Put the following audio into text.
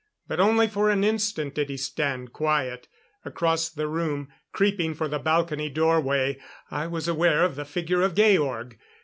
But only for an instant did he stand quiet. Across the room, creeping for the balcony doorway, I was aware of the figure of Georg.